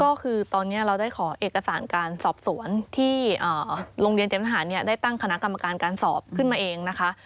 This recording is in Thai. ก็คือตอนนี้เราได้ขอเอกสารการสอบสวนที่โรงเรียนเตรียมทหารได้ตั้งคณะกรรมการการสอบขึ้นมาเองนะคะ